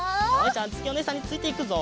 あづきおねえさんについていくぞ。